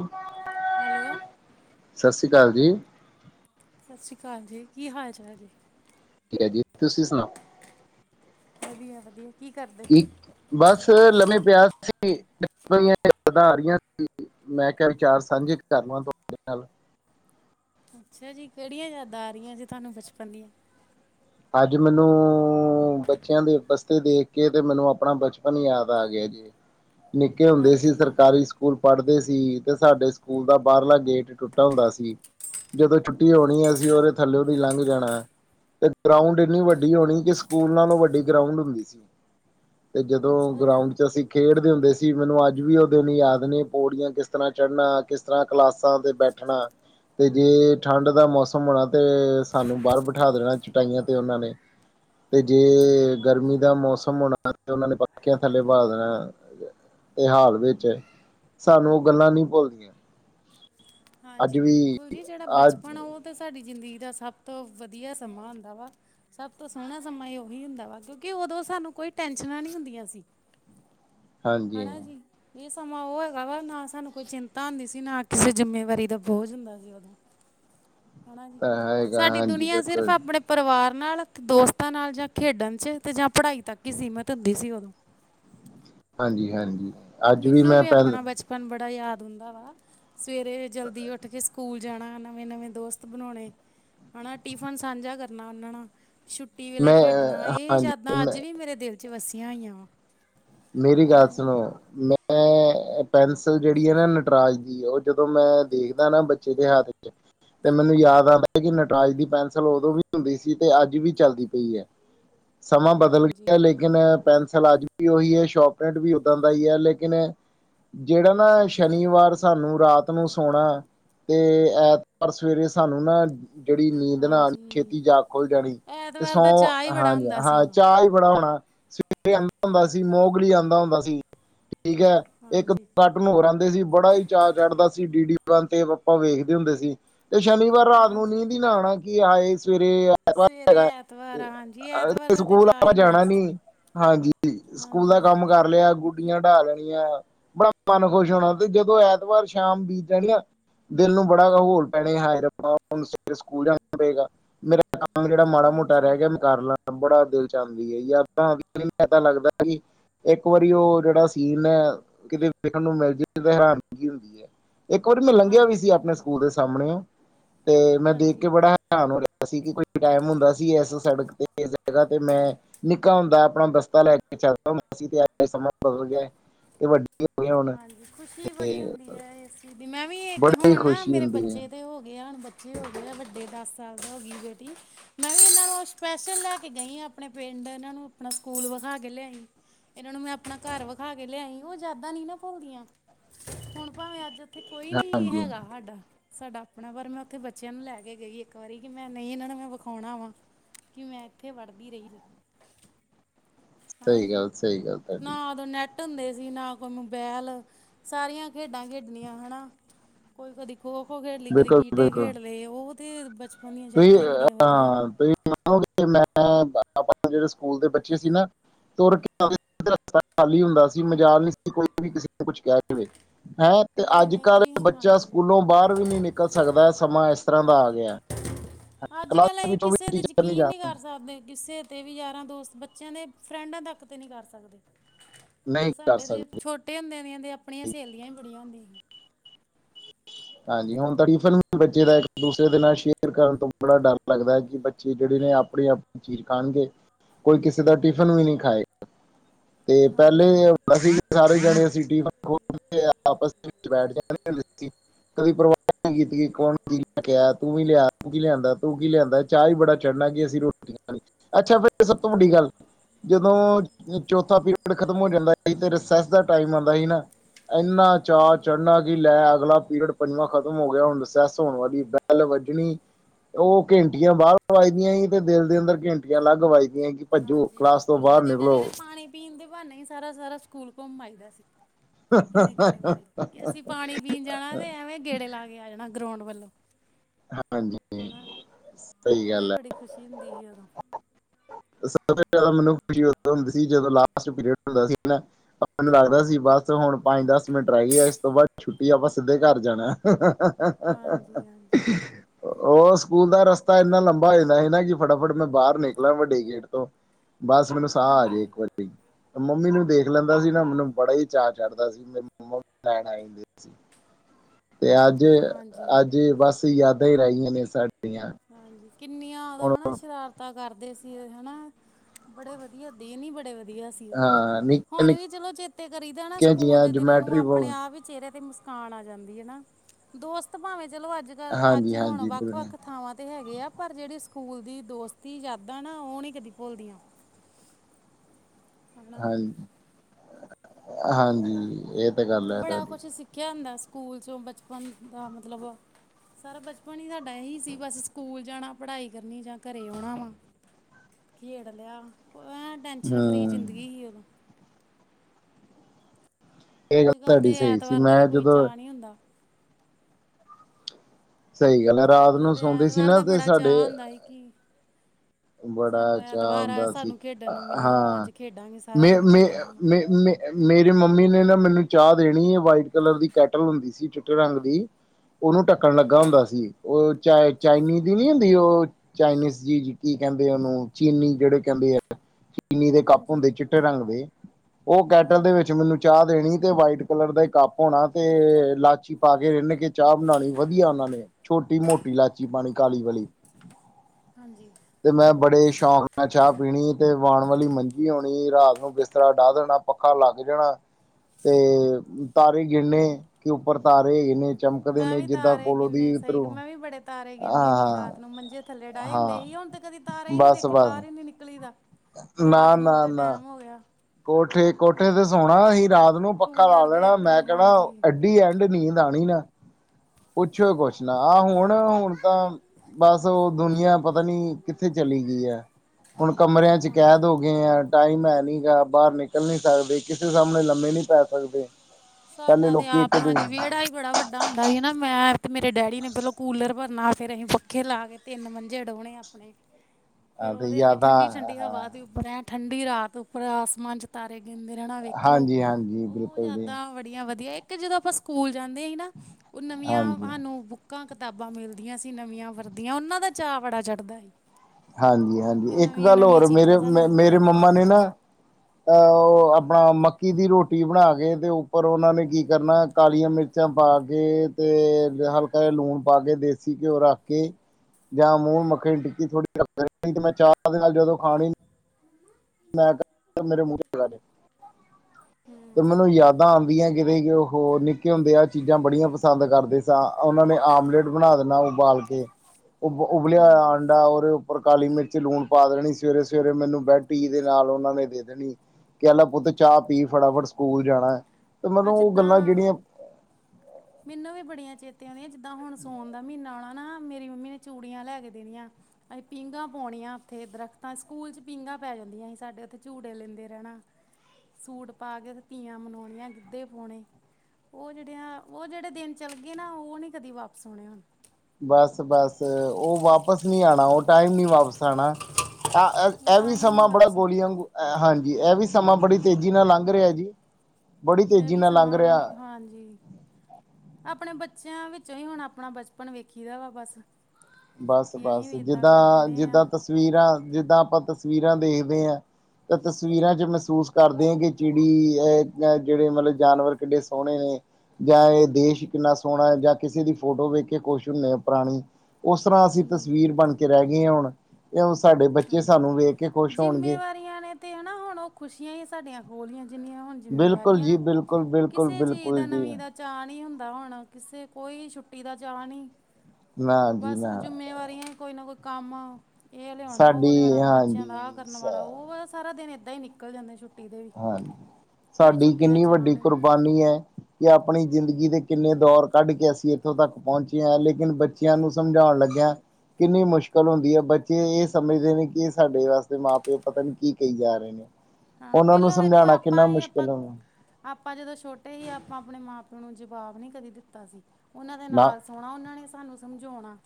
ਹ। ਹੈਲੋ। ਸਤਿ ਸ਼੍ਰੀ ਅਕਾਲ ਜੀ। ਸਤਿ ਸ਼੍ਰੀ ਅਕਾਲ ਜੀ, ਕੀ ਹਾਲ ਚਾਲ ਜੀ? ਠੀਕ ਹੈ ਜੀ, ਤੁਸੀਂ ਸੁਣਾਓ? ਵਧੀਆ ਵਧੀਆ, ਕੀ ਕਰਦੇ? ਕੀ ਬਸ ਲੰਮੇ ਪਿਆ ਸ ਸੀ, ਯਦਾਂ ਆ ਰਹੀਆਂ ਸੀ। ਮੈਂ ਕਿਹਾ ਵਿਚਾਰ ਸਾਂਝੇ ਕਰਨਾ ਤੁਹਾਡੇ ਨਾਲ। ਅੱਛਾ ਜੀ ਕਿਹੜੀਆਂ ਯਾਦਾਂ ਆ ਰਹੀਆਂ ਜੀ, ਤੁਹਾਨੂੰ ਬਚਪਨ ਦੀਆਂ। ਅੱਜ ਮੈਨੂੰ ਬੱਚਿਆਂ ਦੇ ਬਸਤੇ ਦੇਖ ਕੇ, ਤੇ ਮੈਨੂੰ ਆਪਣਾ ਬਚਪਨ ਯਾਦ ਆ ਗਿਆ ਜੇ ਨਿੱਕੇ ਹੁੰਦੇ ਸੀ ਹਾਂਜੀ ਸਰਕਾਰੀ ਸਕੂਲ ਪੜ੍ਹਦੇ ਸੀ, ਤੇ ਸਾਡੇ ਸਕੂਲ ਦਾ ਬਾਹਰਲਾ ਗੇਟ ਟੁੱਟਾ ਹੁੰਦਾ ਸੀ। ਜਦੋਂ ਛੁੱਟੀ ਹੋਣੀ ਹੈ, ਅਸੀਂ ਉਹਦੇ ਥੱਲੇ ਉਹਦੀ ਲੰਘ ਜਾਣਾ। ਤੇ ਗਰਾਊਂਡ ਇੰਨੀ ਵੱਡੀ ਹੋਣੀ, ਕਿ ਸਕੂਲ ਨਾਲੋਂ ਵੱਡੀ ਗਰਾਊਂਡ ਹੁੰਦੀ ਸੀ। ਤੇ ਜਦੋਂ ਅੱਛਾ ਜੀ ਗਰਾਊਂਡ 'ਚ ਅਸੀਂ ਖੇਡਦੇ ਹੁੰਦੇ ਸੀ ਮੈਨੂੰ ਅੱਜ ਵੀ ਉਹ ਦਿਨ ਯਾਦ ਨੇ, ਪੌੜੀਆਂ ਕਿਸ ਤਰ੍ਹਾਂ ਚੜ੍ਹਨਾ, ਕਿਸ ਤਰ੍ਹਾਂ ਕਲਾਸਾਂ ਤੇ ਬੈਠ ਣਾ ਤੇ ਜੇ ਠੰਡ ਦਾ ਮੌਸਮ ਹੋਣਾ, ਤੇ ਸਾਨੂੰ ਬਾਹਰ ਬਿਠਾ ਦੇਣਾ ਕਟਾਈਆਂ ਤੇ ਉਹਨਾਂ ਨੇ, ਤੇ ਜੇ ਗਰਮੀ ਹਾਂਜੀ ਦਾ ਮੌਸਮ ਹੋਣਾ ਉਹਨਾ ਨੇ ਪੱਕੀਆਂ ਥੱਲੇ ਬਹਾ ਦੇਣਾ ਤੇ ਹਾਲ ਵਿੱਚ, ਸਾਨੂੰ ਉਹ ਗੱਲਾਂ ਨਹੀਂ ਭੁੱਲਦੀਆਂ। ਅੱਜ ਹਾਂਜੀ ਵੀ ਬਿਲਕੁਲ ਜੀ, ਜਿਹੜਾ ਅੱਜ ਬਚਪਨ ਆ ਉਹ ਤਾਂ ਸਾਡੀ ਜ਼ਿੰਦਗੀ ਦਾ ਸਭ ਤੋਂ ਵਧੀਆ ਸਮਾਂ ਹੁੰਦਾ ਵਾ। ਸਭ ਤੋਂ ਸੋਹਣਾ ਸਮਾਂ ਇਹ ਉਹੀ ਹੁੰਦਾ ਵਾ, ਕਿਉਂਕਿ ਉਦੋਂ ਸਾਨੂੰ ਕੋਈ ਟੈਂਸ਼ਨਾਂ ਨਹੀਂ ਹੁੰਦੀਆਂ ਸੀ। ਹਾਂਜੀ ਹਨਾ ਜੀ। ਇਹ ਸਮਾਂ ਉਹ ਹੈਗਾ ਵਾ ਨਾ ਸਾਨੂੰ ਕੋਈ ਚਿੰਤਾ ਹੁੰਦੀ ਸੀ, ਨਾ ਕਿਸੇ ਜਿੰਮੇਵਾਰੀ ਦਾ ਬੋਝ ਹੁੰਦਾ ਸੀ ਉਦੋਂ। ਜੀ, ਤਾਂ ਹੈਗਾ ਸਾਡੀ ਹਾਂਜੀ ਦੁਨੀਆਂ ਸਿਰਫ਼ ਬਿਲਕੁਲ ਆਪਣੇ ਪਰਿਵਾਰ ਨਾਲ, ਦੋਸਤਾਂ ਨਾਲ ਜਾਂ ਖੇਡਣ 'ਚ, ਜਾਂ ਪੜ੍ਹਾਈ ਤੱਕ ਹੀ ਸੀਮਿਤ ਹੁੰਦੀ ਸੀ ਉਦੋਂ। ਹਾਂਜੀ ਹਾਂਜੀ, ਅੱਜ ਵੀ ਮੈਨੂੰ ਮੈਂ ਪਹਿਲ ਆਪਣਾ ਬਚਪਨ ਬੜਾ ਯਾਦ ਹੁੰਦਾ ਵਾ, ਸਵੇਰੇ ਜਲਦੀ ਉੱਠ ਕੇ ਸਕੂਲ ਜਾਣਾ ਨਵੇਂ ਨਵੇਂ ਦੋਸਤ ਬਣਾਉਣੇ ਹਨਾ, ਟਿਫਨ ਸਾਂਝਾ ਕਰਨਾ ਉਹਨਾਂ ਨਾਲ ਛੁੱਟੀ ਵੇਲੇ ਮੈਂ ਖੇਡਣਾ, ਇਹ ਯਾਦਾਂ ਹਾਂਜੀ ਅੱਜ ਵੀ ਮੇਰੇ ਦਿਲ 'ਚ ਵੱਸੀਆਂ ਹੋਈਆਂ ਵਾ। ਮੇਰੀ ਗੱਲ ਹਨਾ ਜੀ ਸੁਣੋ, ਹੁਣ ਮੈਂ ਅ ਪੈਨਸਿਲ ਜਿਹੜੀ ਐ ਨਾਂ ਨਟਰਾਜ ਦੀ, ਉਹ ਜਦੋਂ ਮੈਂ ਦੇਖਦਾ ਨਾਂ ਬੱਚੇ ਦੇ ਹੱਥ ਚ' ਤੇ ਮੈਨੂੰ ਯਾਦ ਆਉਂਦਾ ਐ ਕਿ ਨਟਰਾਜ ਦੀ ਪੈਨਸਿਲ ਉਦੋਂ ਵੀ ਹੁੰਦੀ ਸੀ, ਤੇ ਅੱਜ ਵੀ ਚੱਲਦੀ ਪਈ ਏ। ਸਮਾਂ ਬਦਲ ਗਿਆ ਹਾਂਜੀ ਲੇਕਿਨ, ਪੈਨਸਲ ਅੱਜ ਵੀ ਉਹੀ ਐ, ਸ਼ੋਪਨਰ ਵੀ ਉੱਦਾਂ ਦਾ ਈ ਐ ਲੇਕਿਨ ਜਿਹੜਾ ਨਾਂ ਸ਼ਨੀਵਾਰ, ਸਾਨੂੰ ਰਾਤ ਨੂੰ ਸੋਣਾ। ਤੇ ਐਤਵਾਰ ਸਵੇਰੇ ਸਾਨੂੰ ਨਾਂ, ਜਿਹੜੀ ਨੀਂਦ ਨਾਂ ਆਣੀ, ਹਾਂਜੀ ਛੇਤੀ ਜਾਗ ਖੁੱਲ ਜਾਣੀ। ਤੇ ਐਤਵਾਰ ਸੋ, ਦਾ ਚਾਅ ਹੀ ਬੜਾ ਹਾਂਜੀ ਹੁੰਦਾ ਸੀ ਹਾਂ, ਉਦੋਂ ਚਾਅ ਈ ਬੜਾ ਹੋਣਾ। ਇੱਕ ਹੁੰਦਾ ਸੀ ਮੋਗਲੀ ਆਂਦਾ ਹੁੰਦਾ ਸੀ, ਠੀਕ ਐ ਇੱਕ ਹਾਂਜੀ [unintelligible] [unintelligible] ਆਂਦੇ ਸੀ ਬੜਾ ਈ ਚਾਅ ਚੜ੍ਹਦਾ ਸੀ, ਡੀ ਡੀ ਵਨ ਤੇ ਆਪਾਂ ਵੇਖਦੇ ਹੁੰਦੇ ਸੀ, ਤੇ ਸ਼ਨੀਵਾਰ। ਰਾਤ ਨੂੰ ਨੀਂਦ ਹਾਂਜੀ ਈ ਨਾਂ ਆਣਾ ਕਿ ਹਾਏ ਸਵੇਰੇ। ਸਵੇਰੇ ਐਤਵਾਰ ਆ ਹਾਂਜੀ [unintelligible] ਐਤਵਾਰ ਦਾ ਤੇ ਸਕੂਲ ਚਾਅ ਆਪਾਂ ਹੀ ਬੜਾ ਜਾਣਾ ਸੀ ਨੀਂ, ਉਦੋਂ ਹਾਂਜੀ। ਸਕੂਲ ਹਾਂਜੀ ਦਾ ਹਾਂਜੀ ਕੰਮ ਕਰ ਲਿਆ, ਗੁੱਡੀਆਂ ਡਾਹ ਲੈਣੀਆਂ। ਬੜਾ ਮਨ ਖੁਸ਼ ਹੋਣਾ ਤੇ ਜਦੋਂ ਐਤਵਾਰ ਸ਼ਾਮ ਬੀਤ ਜਾਣੀ ਨਾ। ਦਿਲ ਨੂੰ ਬੜਾ ਹੋਲ ਪੈਣੇ, ਹਾਏ ਰੱਬਾ! ਹੁਣ ਸਵੇਰੇ ਸਕੂਲ ਜਾਣਾ ਪਏਗਾ, ਮੇਰਾ ਕੰਮ। ਜਿਹੜਾ ਮਾੜਾ-ਮੋਟਾ ਹਾਂਜੀ ਰਹਿ ਗਿਆ ਮੈਂ ਕਰ ਲੈਂਦਾ, ਬੜਾ ਦਿਲ ਚ' ਆਂਦੀ ਏ, ਯਾਦਾਂ ਆਉਂਦੀਆ ਤੇ ਪਤਾ ਲੱਗਦਾ ਏ ਬਈ। ਇੱਕ ਵਾਰੀ ਉਹ ਜਿਹੜਾ ਸੀਨ ਐ, ਕਿਤੇ ਵੇਖਣ ਨੂੰ ਮਿਲ ਜੇ ਤਾਂ ਹੈਰਾਨਗੀ ਹੁੰਦੀ ਐ। ਇੱਕ ਵਾਰੀ ਮੈਂ ਲੰਘਿਆ ਵੀ ਸੀ ਆਪਣੇ ਹਾਂਜੀ ਸਕੂਲ ਦੇ ਸਾਹਮਣੇ, ਤੇ ਮੈਂ ਦੇਖ ਕੇ ਹਾਂਜੀ ਬੜਾ। ਹੈਰਾਨ ਹੋ ਰਿਹਾ ਸੀ ਕਿ ਕੋਈ ਟੈਮ ਹੁੰਦਾ ਸੀ ਇਸ ਸੜਕ ਤੇ ਇਸ ਜਗ੍ਹਾ ਤੇ ਮੈਂ। ਨਿੱਕਾ ਹੁੰਦਾ ਆਪਣਾ ਬਸਤਾ ਲੈ ਕੇ ਚੱਲਦਾ ਹੁੰਦਾ ਸੀ ਤੇ ਅੱਜ ਇਹ ਸਮਾਂ ਬਦਲ ਗਿਆ ਏ, ਤੇ ਵੱਡੇ। ਹਾਂਜੀ ਖੁਸ਼ੀ ਬੜੀ ਹੁੰਦੀ ਐ ਇਸ ਚੀਜ਼ ਦੀ, ਮੈਂ ਵੀ ਇੱਕ ਬੜੀ ਹੁਣ ਨਾ, ਖੁਸ਼ੀ ਮੇਰੇ ਹੁੰਦੀ ਹੈ ਬੱਚੇ ਤੇ ਹੋ ਗਏ ਹੁਣ। ਬੱਚੇ ਹੋ ਗਏ ਆ ਵੱਡੇ, ਦਸ ਸਾਲ ਦੀ ਹੋ ਗਈ ਬੇਟੀ। ਮੈਂ ਵੀ ਇਹਨਾਂ ਨੂੰ ਸਪੈਸ਼ਲ ਲੈ ਕੇ ਗਈ ਆਂ ਆਪਣੇ ਪਿੰਡ, ਇਹਨਾਂ ਨੂੰ ਆਪਣਾ ਸਕੂਲ ਵਿਖਾ ਕੇ ਲਿਆਈ। ਇਹਨਾਂ ਨੂੰ ਮੈਂ ਆਪਣਾ ਘਰ ਵਿਖਾ ਕੇ ਲਿਆਈ, ਉਹ ਯਾਦਾਂ ਨੀਂ ਨਾਂ। ਹੁੰਦੀਐ, ਹੁਣ ਭਾਵੇਂ ਅੱਜ ਉੱਥੇ ਕੋਈ ਨੀਂ ਹਾਂਜੀ ਹੈਗਾ ਹਾਡਾ। ਸਾਡਾ ਆਪਣਾ ਘਰ, ਮੈਂ ਉੱਥੇ ਬੱਚਿਆਂ ਨੂੰ ਲੈ ਕੇ ਗਈ ਇੱਕ ਵਾਰੀ, ਕਿ ਮੈਂ ਨਹੀਂ ਇਹਨਾਂ ਨੂੰ, ਮੈਂ ਵਿਖਾਉਣਾ ਵਾਂ। ਕਿ ਮੈਂ ਇੱਥੇ ਵੜ੍ਹਦੀ ਰਹੀ। ਹਨਾਂ ਸਹੀ ਜੀ, ਗੱਲ ਸਹੀ ਗੱਲ ਤੁਹਾਡੀ ਨਾ ਉਦੋਂ ਨੈਟ। ਟ ਹੁੰਦੇ ਸੀ ਨਾਂ ਕੋਈ ਮੋਬੈਲ, ਸਾਰੀਆਂ ਖੇਡਾਂ ਖੇਡਣੀਆਂ ਹਨਾਂ, ਕੋਈ ਕਦੀ। ਖੋ-ਖੋ ਖੇਡ ਲਈ, ਕਦੀ ਬਿਲਕੁਲ ਗੀਟੇ ਬਿਲਕੁਲ ਖੇਡ ਲਏ, ਉਹ 'ਤੇ ਬਚ। ਤੁਸੀਂ ਅ ਤੁਸੀਂ ਮੰਨੋਗੇ [unintelligible] ਮੈਂ ਆਪਣੇ ਜਿਹੜੇ ਸਕੂਲ ਦੇ ਬੱਚੇ ਸੀ ਨਾਂ ਤੁਰ ਕੇ, ਆ ਰਸਤਾ ਖਾਲੀ ਹੁੰਦਾ ਸੀ, ਮਜ਼ਾਲ ਨਹੀਂ ਸੀ ਕੋਈ ਵੀ ਕਿਸੇ ਨੂੰ ਕੁਛ ਕਹਿ। ਦੇਵੇ, ਹੈਂ ਤੇ ਨਹੀਂ ਅੱਜ ਨਹੀਂ ਕੱਲ੍ਹ ਜੀ ਬੱਚਾ, ਹਾਂਜੀ ਸਕੂਲੋਂ ਬਾਹਰ ਵੀ ਨੀਂ ਨਿਕ ਨਿਕਲ ਸਕਦਾ, ਸਮਾਂ ਇਸ ਤਰ੍ਹਾਂ ਦਾ ਆ ਗਿਆ। ਅੱਜ-ਕੱਲ ਕਲਾਸ ਅਸੀਂ ਵਿੱਚੋਂ ਵੀ ਕਿਸੇ ਦੇ ਟੀਚਰ ਯਕੀਨ ਜਾ ਨਹੀਂ ਕਰ ਸਕਦੇ ਕਿਸੇ। ਤੇ ਵੀ ਯਾਰਾਂ, ਦੋਸਤ, ਬੱਚਿਆਂ ਦੇ ਫਰੈਂਡਾਂ ਤੱਕ ਤੇ ਨਹੀਂ ਕਰ ਸਕਦੇ, ਨਹੀਂ ਤੇ ਕਰ ਸਾਡੇ ਦੇ ਸਕਦੇ ਛੋ। ਟੇ ਹੁੰਦਿਆਂ ਦੀਆਂ ਤੇ ਆਪਣੀਆਂ ਸਹੇਲੀਆਂ ਈ ਬੜੀਆਂ ਹੁੰਦੀਆਂ ਨੇ। ਹਾਂਜੀ, ਹੁਣ ਤਾਂ ਟਿਫਨ ਵੀ ਬੱਚੇ ਦਾ ਇੱਕ ਦੂਸਰੇ ਦੇ ਨਾਲ ਸ਼ੇਅਰ ਕਰਨ ਤੋਂ ਬੜਾ ਡਰ ਲੱਗਦੈ ਕਿ। ਬੱਚੇ ਜਿਹੜੇ ਨੇ ਆਪਣੀ-ਆਪਣੀ ਚੀਜ਼ ਖਾਣਗੇ, ਕੋਈ ਕਿਸੇ ਦਾ ਟਿਫਨ ਵੀ ਨੀਂ ਖਾਏਗਾ। ਤੇ ਪਹਿਲੇ ਹਾਂਜੀ। ਏ ਹੁੰਦਾ ਸੀ। ਸਾਰੇ ਜਣੇ ਅਸੀਂ ਟਿਫਨ ਖੋਲ੍ਹ ਕੇ ਆਪਸ ਵਿੱਚ ਬੈਠ ਜਾਂਦੇ ਸੀ, ਕਦੀ ਪਰਵਾਹ। ਨੀਂ ਕੀਤੀ, ਕੌਣ ਕੀ ਲੈ ਕੇ ਆਇਆ, ਤੂੰ ਵੀ ਲਿਆ, ਤੂੰ ਕੀ ਲਿਆਂਦਾ, ਤੂੰ ਕੀ ਲਿਆਂਦਾ, ਚਾਅ ਈ ਬੜਾ ਚੜ੍ਹਨਾ ਕਿ ਅਸੀਂ ਰੋਟੀਆਂ। ਅੱਛਾ ਫ਼ੇਰ ਸਭ ਤੋਂ ਵੱਡੀ ਗੱਲ, ਜਦੋਂ ਚੌਥਾ ਪੀਰੀਅਡ ਖਤਮ ਹੋ ਜਾਂਦਾ ਏ। ਤੇ ਰਿਸੈਸ ਦਾ ਟਾਈਮ ਆਉਂਦਾ ਸੀ ਨਾਂ, ਐਨਾ ਚਾਅ ਹਾਂਜੀ। ਚੜ੍ਹਨਾ ਕਿ ਲੈ ਅਗਲਾ। ਪੀਰੀਅਡ ਪੰਜਵਾਂ ਖ਼ਤਮ ਹੋ ਗਿਆ ਹੁਣ ਰਿਸੈਸ ਹੋਣ ਵਾਲੀ, ਬੈਲ ਵੱਜਣੀ। ਉਹ ਘੰਟੀਆਂ ਬਾਹਰ ਵਾਜਦੀਆਂ ਸੀ ਤੇ ਦਿਲ ਦੇ ਅੰਦਰ ਘੰਟੀਆਂ ਅਲੱਗ ਵਾਜਦੀਆਂ ਸੀ ਕਿ। ਭੱਜੋ ਹਾਂਜੀ ਕਲਾਸ ਤੋਂ ਬਿਲਕੁਲ, ਬਾਹਰ ਕਦੀ-ਕਦੀ ਨਿਕਲੋ ਤਾਂ ਪਾਣੀ ਪੀਣ ਦੇ ਬਹਾਨੇ ਈ, ਸਾਰਾ-ਸਾਰਾ ਸਕੂਲ ਘੁੰਮ ਆਈਦਾ ਸੀ। ਕਿੰਨੀ-ਕਿੰਨੀ ਵਾਰੀ, ਕਿ ਅਸੀਂ ਪਾਣੀ ਪੀਣ ਜਾਣਾ ਤੇ ਹਾਂਜੀ ਐਵੇਂ ਗੇੜੇ ਲਾ ਕੇ ਆ ਜਾਣਾ। ਗਰਾਊਂਡ ਵੇਲੇ, ਹੈਨਾਂ, ਸਹੀ ਉਹ ਵੀ ਗੱਲ ਹੈ ਬੜੀ ਖੁਸ਼ੀ ਹੁੰਦੀ ਸੀ ਉਦੋਂ। ਸਭ ਤੋਂ ਜ਼ਿਆਦਾ ਮੈਨੂੰ ਖੁਸ਼ੀ, ਉਦੋਂ ਹੁੰਦੀ ਸੀ, ਜਦੋਂ ਲਾਸਟ ਪੀਰੀਅਡ ਹੁੰਦਾ ਸੀ ਹਨਾਂ। ਆਪਾਂ ਨੂੰ ਲੱਗਦਾ ਸੀ। ਬਸ ਹੁਣ ਪੰਜ ਦਸ ਮਿੰਟ ਰਹਿ ਗੇ ਆ। ਇਸ ਤੋਂ ਬਾਅਦ ਛੁੱਟੀ ਆਪਾਂ ਸਿੱਧੇ ਘਰ ਜਾਣਾ। [unintelligible] ਹਾਂਜੀ-ਹਾਂਜੀ। ਓ ਸਕੂਲ ਦਾ ਰਸਤਾ ਇੰਨਾ ਲੰਬਾ ਹੋ ਜਾਂਦਾ ਸੀ ਨਾ ਕਿ ਫਟਾਫਟ ਮੈਂ ਬਾਹਰ ਨਿਕਲਾਂ ਵੱਡੀ ਗੇਟ ਤੋਂ ਬਸ ਮੈਨੂੰ ਸਾਹ ਆਜੇ ਇੱਕ ਵਾਰੀ। ਹਾਂਜੀ-ਹਾਂਜੀ। ਮੰਮੀ ਨੂੰ ਦੇਖ ਲੈਂਦਾ ਸੀ ਨਾ ਮੈਨੂੰ ਬੜਾ ਈ ਚਾਅ ਚੜ੍ਹਦਾ ਸੀ। ਮੰ ਲੈਣ ਆਈ ਹੁੰਦੇ ਸੀ। ਤੇ ਅੱਜ-ਅੱਜ ਬਸ ਯਾਦਾਂ ਈ ਰਹਿ ਗਈਆਂ ਨੇ ਸਾਡੀਆਂ ਹਾਂਜੀ, ਕਿੰਨੀਆਂ ਉਦੋਂ ਹੁਣ ਹਨਾ ਸ਼ਰਾਰ ਤਾ ਕਰਦੇ ਸੀ ਹਨਾ। ਬੜੇ ਵਧੀਆ ਦਿਨ ਈ ਬੜੇ ਵਧੀਆ ਸੀ। ਹਾਂ ਨਿੱਕੇ ਹੁਣ ਵੀ ਚਲੋ ਚੇਤੇ ਕਰੀਦਾ ਨਾ ਕਿ ਸਕੂਲ ਜੀਆਂ ਦੇ ਦਿਨਾਂ ਨੂੰ ਜਮੈਟਰੀ ਆਪਣੇ ਬਾਕਸ ਆਪ ਚਿਹਰੇ ਤੇ ਮੁਸਕਾਨ ਆ ਜਾਂਦੀ ਆ ਨਾ ਦੋਸਤ ਭਾਵੇਂ ਚਲੋ ਅੱਜ ਕੱਲ ਹਾਂਜੀ ਅੱਜ ਹੁਣ ਹਾਂਜੀ ਬਿਲਕੁਲ ਵੱਖ-ਵੱਖ ਥਾਵਾਂ ਤੇ ਹੈਗੇ ਆ। ਪਰ ਜਿਹੜੇ ਸਕੂਲ ਦੀ ਦੋਸਤੀ ਯਾਦਾਂ ਨਾ ਓ ਨੀ ਕਦੀ ਭੁੱਲਦੀਆਂ। ਹਨਾ ਹਾਂਜੀ-ਹਾਂਜੀ ਏ, ਬੜਾ ਕੁਛ ਸਿੱਖਿਆ ਹੁੰਦਾ। ਸਕੂਲ ਚੋਂ, ਬਚਪਨ ਦਾ ਮਤਲਬ ਸਾਰਾ ਬਚਪਨ ਈ ਸਾਡਾ ਇਹੀ ਸੀ। ਬਸ ਸਕੂਲ ਜਾਣਾ, ਪੜ੍ਹਾਈ ਕਰਨੀ ਜਾਂ ਘਰੇ ਆਉਣਾ ਵਾ ਖੇਡ ਲਿਆ ਐ ਟੈਨਸ਼ਨ ਫਰੀ ਹਮ ਜਿੰਦਗੀ ਸੀ। ਉਦੋਂ ਇਹ ਗੱਲ ਅੱਜ-ਕੱਲ੍ਹ ਤੁਹਾਡੀ ਤੇ ਸਹੀ ਸੀ ਐਤਵਾਰ ਦਾ ਮੈਂ ਵੀ ਕੋਈ ਜਦੋਂ ਚਾਅ ਨੀ ਹੁੰਦਾ। ਸਹੀ ਗੱਲ ਐ ਰਾਤ ਨੂੰ ਸੌਂਦੇ ਸੀ। ਨਾ ਤੇ ਸਾਡੇ ਕੀ ਬੜਾ ਚਾਅ ਹੁੰਦਾ ਸੀ ਸਾਨੂੰ ਖੇਡਣ ਨੂੰ ਮਿਲਣਾ ਵਾ ਹਾਂ ਅੱਜ ਖੇਡਾਂਗੇ ਸਾਰਾ ਮੇ ਦਿਨ ਮੇ ਖੇਡਣਾ ਵਾ ਮੇ, ਮੇਰੀ ਮੰਮੀ ਨੇ ਨਾ ਮੈਨੂੰ ਚਾਹ ਦੇਣੀ ਵਾਈਟ ਕਲਰ ਦੀ ਕੈਟਲ ਹੁੰਦੀ ਸੀ। ਚਿੱਟੇ ਰੰਗ ਦੀ ਉਹਨੂੰ ਢੱਕਣ ਲੱਗਾ ਹੁੰਦਾ ਸੀ। ਓ ਚ ਚਾਈਨੀਜ਼ ਦੀ ਨੀ ਹੁੰਦੀ। ਉਹ ਚਾਈਨੀਜ਼ ਜੀ ਕੀ ਕਹਿੰਦੇ ਐ ਉਹਨੂੰ ਚੀਨੀ ਜਿਹੜੇ ਕਹਿੰਦੇ ਆ ਚੀਨੀ ਦੇ ਕੱਪ ਹਾਂਜੀ ਹੁੰਦੇ। ਚਿੱਟੇ ਰੰਗ ਦੇ ਉਹ ਕੈਟਲ ਦੇ ਹਾਂਜੀ ਵਿੱਚ ਮੈਨੂੰ ਚਾਹ ਦੇਣੀ, ਤੇ ਵਾਈਟ ਕਲਰ ਦਾ ਕੱਪ ਹੋਣਾ, ਤੇ ਲਾਚੀ ਪਾ ਕੇ ਰਿੰਨ ਕੇ ਚਾਹ ਬਣਾਣੀ। ਵਧੀਆ ਓਨਾਂ ਨੇ ਛੋਟ-ਮੋਟੀ ਲਾਚੀ ਪਾਣੀ ਕਾਲੀ ਵਾਲੀ ਹਾਂਜੀ। ਤੇ ਮੈਂ ਬੜੇ ਸ਼ੌਂਕ ਨਾਲ ਚਾਹ ਪੀਣੀ, ਤੇ ਵਾਣ ਵਾਲੀ ਮੰਜੀ ਹੋਣੀ ਰਾਤ ਨੂੰ ਬਿਸਤਰਾ ਡਾਹ ਦੇਣਾ। ਪੱਖਾ ਲੱਗ ਜਾਣਾ, ਤੇ ਤਾਰੇ ਗਿਨਣੇ ਕਿ ਉੱਪਰ ਤਾਰੇ ਹੈਗੇ ਨੇ ਚਮਕਦੇ ਮੈਂ ਨੇ ਵੀ ਜਿੱਦਾਂ ਤਾਰੇ ਕੋਲੋਂ ਗਿਣਨੇ ਦੀ ਸਹੀ ਉੱਧਰੋਂ ਮੈਂ ਵੀ ਬੜੇ ਤਾਰੇ ਗਿਣਦੀ ਹੁੰਦੀ ਸੀ। ਹਾਂ ਰਾਤ ਨੂੰ ਮੰਜੇ ਥੱਲੇ ਡਾਏ ਹੁੰਦੇ ਹਾਂ ਸੀ। ਹੁਣ ਤੇ ਕਦੀ ਤਾਰੇ ਈ ਨੀ ਬਸ ਵੇਖੇ ਬਸ ਬਾਰ ਈ ਨੀ ਨਿਕਲੀ ਦਾ ਰਾਤ ਨੂੰ ਤੇ ਟੈਮ ਹੋ ਗਿਆ। ਕੋਠੇ-ਕੋਠੇ ਤੇ ਸੋਣਾ ਅਸੀਂ ਰਾਤ ਨੂੰ ਪੱਖਾ ਲਾ ਕੂਲਰ ਦੇ ਲੈਣਾ ਮੈਂ ਅੱਗੇ ਕਹਿਣਾ ਹਾਂਜੀ ਐਂਡ ਨੀਂਦ ਆਣੀ ਨਾ ਪੁੱਛੋ ਕੁਛ ਨਾ ਆ ਹੁਣ-ਹੁਣ ਤਾਂ ਬਸ ਓ ਦੁਨੀਆਂ ਪਤਾ ਨੀ ਕਿੱਥੇ ਚਲੀ ਗਈ ਐ। ਹੁਣ ਕਮਰਿਆਂ ਚ ਕੈਦ ਹਾਂਜੀ ਹੋ ਗਏ ਆ। ਟਾਈਮ ਹੈ ਨੀਗਾ ਬਾਹਰ ਨਿਕਲ ਨੀ ਸਕਦੇ। ਕਿਸੇ ਸਾਹਮਣੇ ਲੰਮੇ ਨੀ ਪੈ ਸਕਦੇ ਪਹਿਲੇ ਸਾਡਾ ਤੇ ਲੋਕੀ ਆਪ ਇੱਕ ਦੂ ਹਾਂਜੀ ਵਿਹੜਾ ਹੀ ਬੜਾ ਵੱਡਾ ਹੁੰਦਾ ਸੀ ਨਾ ਮੈਂ ਤੇ ਮੇਰੇ ਡੈਡੀ ਨੇ ਪਹਿਲਾਂ ਕੂਲਰ ਭਰਨਾ ਫੇਰ ਅਸੀਂ ਪੱਖੇ ਲਾ ਕੇ ਤਿੰਨ ਮੰਜੇ ਡੋਣੇ ਆਪਣੇ ਫੇਰ ਤੇ ਉਹਦੇ ਅੱਗੇ ਯਾਦਾਂ ਠੰਡੀ-ਠੰਡੀ ਹਾਂ ਹਵਾ ਦੇ ਉੱਪਰ ਐ ਠੰਢੀ ਰਾਤ ਉੱਪਰ ਆਸਮਾਨ ਚ ਤਾਰੇ ਗਿਣਦੇ ਰੈਣਾ। ਹਾਂਜੀ-ਹਾਂਜੀ ਬਿਲਕੁਲ ਜੀ। ਵੜੀਆ ਵਧੀਆ ਇੱਕ ਜਦੋਂ ਆਪਾਂ ਸਕੂਲ ਜਾਂਦੇ ਸੀ ਨਾ। ਉਹ ਨਵੀਆਂ ਹਾਂਜੀ ਸਾਨੂੰ ਬੁੱ ਕਾਂ-ਕਿਤਾਬਾਂ ਮਿਲਦੀਆਂ ਸੀ। ਨਵੀਆਂ ਵਰਦੀਆਂ ਉਹਨਾਂ ਦਾ ਚਾਅ ਬੜਾ ਚੜ੍ਹਦਾ ਸੀ। ਹਾਂਜੀ-ਹਾਂਜੀ, ਕਿ ਇੱਕ ਨਵੀਆਂ ਗੱਲ ਨਵੀਆਂ ਹੋਰ ਚੀਜ਼ਾਂ ਸਾਨੂੰ ਮਿਲੀਆਂ ਮੇਰੇ-ਮੇਰੇ ਹੋਣ ਮੰਮਾ ਨੇ ਨਾ ਅ ਓ ਆਪਣਾ ਮੱਕੀ ਦੀ ਰੋਟੀ ਬਣਾ ਕੇ ਤੇ ਉੱਪਰ ਉਹਨਾਂ ਨੇ ਕੀ ਕਰਨਾ ਕਾਲੀਆਂ ਮਿਰ ਚਾਂ ਪਾ ਕੇ, ਤੇ ਹਲਕਾ ਜਾ ਲੂਣ ਪਾ ਕੇ, ਦੇਸੀ ਘਿਓ ਰੱਖ ਕੇ ਜਾਂ ਮੂੰਹ ਮੱਖਣੀ ਟਿੱਕੀ, ਥੋੜ੍ਹੀ ਰੱਖ ਮੈਂ ਚਾਹ ਦੇ ਨਾਲ ਜਦੋਂ ਖਾਣੀ ਮੇਰੇ ਮੁ [unintelligible] ਤੇ ਮੈਨੂੰ ਯਾਦ ਯਾਦਾ ਆ ਦੀਆਂ ਕਿਵੇ ਕਿ ਉਹ ਹੋ ਨਿੱਕੇ ਹੁੰਦੇ, ਆਹ ਚੀਜ਼ਾਂ ਬੜੀਆਂ ਪਸੰਦ ਕਰਦੇ ਸਾਂ। ਉਹਨਾਂ ਨੇ ਆਮਲੇਟ ਬਣਾ ਦੇਣਾ ਉਬਾਲ ਕੇ ਹ [inaudible] ਉ ਉਬਲਿਆ ਹੋਇਆ ਆਂਡਾ ਔਰ ਉਰ ਕਾਲੀ ਮਿਰਚ, ਲੂਣ ਪਾ ਦੇਣੀ, ਸਵੇਰੇ ਸਵੇਰੇ ਮੈਨੂੰ ਬੈਡ ਟੀ ਦੇ ਨਾਲ ਉਹਨਾਂ ਨੇ ਦੇ ਦੇਣੀ। ਕਹਿ ਆਲਾ ਪੁੱਤ ਚਾਹ ਪੀ ਫਟਾਫਟ ਸਕੂਲ ਜਾਣਾ ਹੈ, ਤੇ ਆ ਮੈਨੂੰ ਉਹ ਗੱਲਾਂ ਜਿੱਦਾਂ ਜਿਹੜੀਆਂ ਮੈਨੂੰ ਵੀ ਬੜੀਆਂ ਚੇਤ ਆਉਂਦੀਆਂ ਜਿੱਦਾਂ ਹੁਣ ਸਾਉਣ ਦਾ ਮਹੀਨਾ ਆਣਾ ਨਾ, ਮੇਰੀ ਮੰਮੀ ਨੇ ਚੂੜੀਆਂ ਲੈ ਕੇ ਦੇਣੀਆਂ। ਅਹੀ ਪੀਂਘਾਂ ਪਾਉਣੀਆਂ ਉੱਥੇ ਦਰਖ਼ਤਾਂ ਸਕੂਲ 'ਚ ਪੀਂਘਾਂ ਪੈ ਜਾਂਦੀਆਂ ਸੀ ਸਾਡੇ ਉੱਥੇ, ਝੂਟੇ ਲੈਂਦੇ ਰਹਿਣਾ। ਸੂਟ ਪਾ ਕੇ ਤੇ ਤੀਆਂ ਮਨਾਉਣੀਆਂ, ਗਿੱਧੇ ਪਾਉਣੇ, ਉਹ ਜਿਹੜੀਆਂ ਉਹ ਜਿਹੜੇ ਦਿਨ ਚੱਲ ਗਏ ਨਾ, ਉਹ ਨੀ ਕਦੀ ਵਾਪਿਸ ਆਉਣੇ ਹੁਣ। ਬਸ ਬਸ, ਉਹ ਵਾਪਿਸ ਨਹੀਂ ਆਉਣਾ ਉਹ ਟਾਈਮ ਨੀ ਵਾਪਸ ਆਉਣਾ, ਉਹ ਇਹ ਵੀ ਟਾਈਮ ਨਹੀਂ ਸਮਾਂ ਬੜਾ ਵਾਪਸ ਗੋਲੀ ਆਂਗੂ ਹਾਂਜੀ' ਇਹ ਵੀ ਸਮਾਂ ਬੜੀ ਤੇਜ਼ੀ ਨਾਲ ਲੰਘ ਰਿਹਾ ਜੀ। ਬੜੀ ਇਹ ਤੇਜ਼ੀ ਵੀ ਨਾਲ ਲੰਘ ਸਮਾਂ, ਰਿਹਾ ਹੁਣ 'ਹਾਂਜੀ। ਆਪਣੇ ਬੱਚਿਆਂ ਵਿੱਚੋਂ ਹੀ, ਹੁਣ ਆਪਣਾ ਬਚਪਨ ਵੇਖੀ ਦਾ ਵਾ ਬਸ। ਬਸ ਕਿ ਅਸੀਂ ਬਸ ਵੀ ਇੱਦਾਂ ਕਰਦੇ ਜਿੱਦਾਂ, ਰਹੇ ਹਾਂ ਜਿੱਦਾਂ ਤਸਵੀਰਾਂ, ਜਿੱਦਾਂ ਆਪਾਂ ਤਸਵੀਰਾਂ ਦੇਖਦੇ ਹਾਂ ਤਾਂ ਤਸਵੀਰਾਂ 'ਚ ਮਹਿਸੂਸ ਕਰਦੇ ਆ ਕਿ ਚਿੜੀ, ਅ ਜਿਹੜੇ ਮਤਲਬ ਜਾਨਵਰ ਕਿੱਡੇ ਸੋਹਣੇ ਨੇ ਜਾਂ ਇਹ ਦੇਸ਼ ਕਿੰਨਾ ਸੋਹਣਾ, ਜਾਂ ਕਿਸੇ ਦੀ ਫੋਟੋ ਵੇਖ ਕੇ ਖੁਸ਼ ਹੁੰਨੇ ਆ ਪੁਰਾਣੀ ਉਸ ਤਰ੍ਹਾਂ ਅਸੀਂ ਤਸਵੀਰ ਬਣ ਕੇ ਰਹਿ ਗਏ ਹੁਣ, ਇਹ ਸਾਡੇ ਬੱਚੇ ਸਾਨੂੰ ਵੇਖ ਕੇ ਖੁਸ਼ ਹੋਣਗੇ। ਇਆ ਨੇ ਤੇ ਹਨਾ ਹੁਣ, ਉਹ ਖੁਸ਼ੀਆਂ ਹੀ ਸਾਡੀਆਂ ਖੋ ਲਈਆ ਜਿੰਨੀਆਂ ਹੁਣ ਬਿਲਕੁਲ ਜਿੰਮੇਵਾਰੀਆਂ ਜੀ ਨਾ, ਬਿਲਕੁਲ ਬਿਲਕੁਲ ਕਿਸੇ ਚੀਜ਼ ਦਾ ਬਿਲਕੁਲ ਜੀ ਨਵੀਂ ਦਾ ਚਾਅ ਨੀ ਹੁੰਦਾ ਹੁਣ, ਕਿਸੇ ਕੋਈ ਛੁੱਟੀ ਦਾ ਚਾਅ ਨੀ। ਨਾ ਜੀ ਬਸ ਨਾ ਜਿੰਮੇਵਾਰੀਆਂ ਕੋਈ ਨਾ ਕੋਈ ਕੰਮ, ਇਹ ਲਿਆਉਣਾ, ਉਹ ਸਾਡੀ ਲਿਆਉਣਾ, ਬੱਚਿਆਂ ਦਾ ਆਹ ਹਾਂਜੀ ਕਰਨ ਸਾ ਵਾਲਾ, ਉਹ ਸਾਰਾ ਦਿਨ ਏਦਾਂ ਹੀ ਨਿਕਲ ਕਲ ਜਾਂਦਾ। ਛੁੱ ਹਾਂ, 'ਸਾਡੀ ਕਿੰਨੀ ਚਾਅ ਵੱਡੀ ਨਹੀਂ ਕੁਰਬਾਨੀ ਹੈ। ਕਿ ਆਪਣੀ ਜ਼ਿੰਦਗੀ ਦੇ ਕਿੰਨੇ ਦੌਰ ਕੱਢ ਕੇ, ਅਸੀਂ ਇੱਥੋਂ ਤੱਕ ਪਹੁੰਚੇ ਹ। ਲੇਕਿਨ ਬੇ ਬੱਚਿਆਂ ਨੂੰ ਸਮਝਾਉਣ ਲੱਗਿਆ ਕਿੰਨੀ ਮੁਸ਼ਕਲ ਹੁੰਦੀ ਹੈ ਬੱਚੇ ਇਹ ਸਮਝਦੇ ਨੇ, ਕਿ ਸਾਡੇ ਵਾਸਤੇ ਮਾਂ ਪਿਓ ਪਤਾ ਨੀ ਕੀ ਕਹੀ ਜਾ ਰਹੇ ਨੇ। ਹਾਂ' ਉਹਨਾਂ ਨੂੰ ਪਹਿਲੋਂ ਵੇਖੋ, ਸਮਝਾਉਣਾ ਕਿੰਨਾ ਆਪਾਂ ਹੀ ਆਪਾਂ ਮੁਸ਼ਕਿਲ ਹੈ ਆਪਾਂ ਜਦੋਂ ਛੋਟੇ ਸੀ, ਆਪਾਂ ਆਪਣੇ ਮਾਂ ਪਿਓ ਨੂੰ ਜਵਾਬ ਨਹੀਂ ਕਦੇ ਦਿੱਤਾ ਸੀ। ਉਹਨਾਂ ਦੇ ਨਾ ਨਾਲ ਸੋਣਾ, ਉਹਨਾਂ ਨੇ ਸਾਨੂੰ ਸਮਝਾਉਣਾ,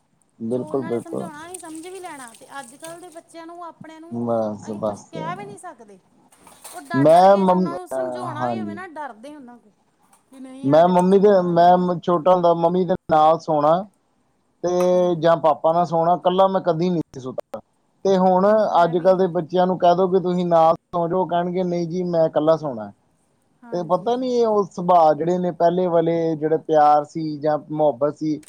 ਜੋ ਬਿਲਕੁਲ ਉਹਨਾਂ ਨੇ ਬਿਲਕੁਲ ਸਮਝਾਉਣਾ ਸਮਝ ਵੀ ਲੈਣਾ, ਤੇ ਅੱਜ ਕੱਲ੍ਹ ਦੇ ਬੱਚਿਆਂ ਨੂੰ ਆਪਣ ਨੂੰ, ਬਸ ਅਸੀਂ ਕੁਛ ਬਸ ਕਹਿ ਵੀ ਨਹੀਂ ਸਕਦੇ। ਉਹ ਡਰ ਡਰ ਮੈਂ ਕੇ ਮੰਮ ਉਹਨਾ ਨੂੰ ਅਹ ਸਮਝਾਉਣਾ ਵੀ ਹੋਵੇ ਹਾਂਜੀ ਨਾ, ਡਰਦੇ ਓਹਨਾਂ ਤੋਂ ਵੀ ਨਹੀਂ, ਸਾਡੇ ਬੱਚੇ ਨਾਰਾਜ਼ ਹੀ ਨਾ ਹੋ ਜਾਣ। ਛੋਟਿਆਂ ਦਾ ਮੰਮੀ ਦੇ ਨਾਲ ਸੋਣਾ ਤੇ ਜਾਂ ਪਾਪਾ ਨਾਲ ਸੋਣਾ, ਕੱਲਾ ਮੈਂ ਕਦੀ ਨਹੀਂ ਸੀ ਸੁਤਾ, ਤੇ ਹੁਣ ਹੂੰ ਮੈਂ ਅੱਜ ਵੀ ਕੱਲ੍ਹ ਦੇ ਬ ਬੱਚਿਆਂ ਨੂੰ ਕਹਿ ਦੋ ਭਈ ਤੁਸੀਂ ਨਾਲ ਸੋਜੋ, ਕਹਿਣਗੇ ਨਹੀਂ ਜੀ ਮੈਂ ਇਕੱਲਾ ਸੌਣਾ। ਤੇ ਪਤਾ ਹਾਂਜੀ ਨੀ ਉਸ ਸੁਭਾਅ ਜਿਹੜੇ ਨੇ ਪਹਿਲੇ ਵਾਲੇ, ਜਿਹੜੇ ਪਿਆਰ ਸੀ ਜਾਂ ਮੁਹੱਬਤ ਸੀ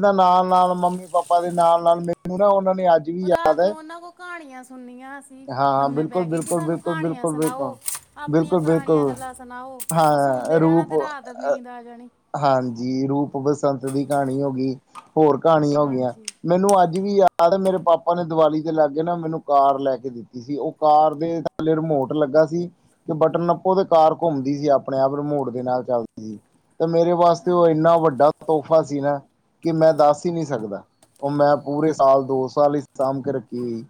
ਨਾਲ ਨਾਲ, ਮੰਮੀ ਪਾਪਾ ਪਾਪਾ ਦੇ ਨਾਲ ਨਾਲ, ਮੈਨੂੰ ਨਾ ਉਹਨਾਂ ਨੇ ਅੱਜ ਵੀ ਰਾਤ ਯਾਦ ਹੈ। ਨੂੰ ਉਹਨਾਂ ਕੋਲ ਕਹਾਣੀਆਂ ਸੁਣਨੀਆਂ ਅਸੀਂ ਹਾਂ ਲੰਮੇ ਬਿਲਕੁਲ, ਪੈ ਕੇ ਕਿ ਬਿਲਕੁਲ, ਸਾਨੂੰ ਬਿਲਕੁਲ, ਕਹਾਣੀਆਂ ਬਿਲਕੁਲ, ਬਿਲਕੁਲ ਸੁਣਾਓ ਆਪਣੀਆਂ ਬਿਲਕੁਲ, ਪੁਰਾਣੀਆਂ ਬਿਲਕੁਲ। ਗੱਲਾਂ ਸੁਣਾਓ ਉਹ ਹਾਂ ਸੁਣਦੇ ਰਹਿਣਾ ਰੂਪ' ਤੇ ਰਾਤ ਅ ਨੀਂਦ ਆ ਜਾਣੀ ਹਾਂਜੀ ਰੂਪ ਬਸੰਤ ਦੀ ਕਹਾਣੀ ਹੋ ਗਈ। ਹੋਰ ਕਹਾਣੀਆਂ ਹੋ ਗਈਆਂ ਹਾਂਜੀ ਮੈਨੂੰ ਅੱਜ ਵੀ ਯਾਦ ਯਾਦ ਆ ਮੇਰੇ ਪਾਪਾ ਨੇ ਦੀਵਾਲੀ ਤੇ ਲਾਗੇ ਨਾ ਮੈਨੂੰ ਕਾਰ ਲੈ ਕੇ ਦਿੱਤੀ। ਦਿੱਤੀ ਸੀ, ਉਹ ਕਾਰ ਦੇ ਥੱਲੇ ਰਿਮੋਟ ਲੱਗਾ ਸੀ। ਤੇ ਬਟਨ ਨਪੋ ਤੇ ਕਾਰ ਘੁੰਮਦੀ ਸੀ ਆਪਣੇ ਆਪ ਰਿਮੋਟ ਦੇ ਨਾਲ ਚੱਲਦੀ ਸੀ। ਤੇ ਮੇਰੇ ਵਾਸਤੇ ਉਹ ਹਾਂਜੀ ਇੰਨਾ ਵੱਡਾ ਤੋਹਫ਼ਾ ਸੀ ਨਾ। ਕਿ ਮੈਂ ਦੱਸ ਹੀ ਨਹੀਂ ਸਕਦਾ ਉਹ ਮੈਂ ਪੂਰੇ ਸਾਲ ਦੋ ਸਾਲ ਹੀ ਸਾਂਭ ਕੇ ਰੱਖੀ ਹੋਈ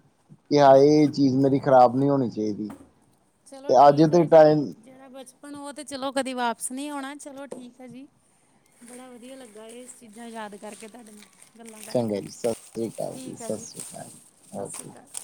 ਕਿ ਹਾਏ ਇਹ ਚੀਜ਼ ਮੇਰੀ ਖ਼ਰਾਬ ਨਹੀਂ ਹੋਣੀ ਚਾਹੀਦੀ। ਚਲੋ ਤੇ ਅੱਜ ਠੀਕ ਦੇ ਹੈ ਜੀ ਟਾਈਮ ਜਿਹੜਾ ਬਚਪਨ ਉਹ ਤਾਂ ਚਲੋ ਕਦੇ ਵਾਪਸ ਨਹੀਂ ਆਉਣਾ ਚਲੋ ਠੀਕ ਹੈ ਜੀ। ਬੜਾ ਵਧੀਆ ਲੱਗਾ ਇਹ, ਚੀਜ਼ਾਂ ਯਾਦ ਕਰਕੇ ਤੁਹਾਡੇ ਨਾਲ ਗੱਲਾਂ ਕਰਕੇ ਚੰਗਾ ਜੀ ਸਤਿ ਸ੍ਰੀ ਅਕਾਲ ਠੀਕ ਐ, ਸਤਿ ਜੀ ਸ੍ਰੀ ਅਕਾਲ ਸਤਿ ਸ਼੍ਰੀ ਓਕੇ ਅਕਾਲ।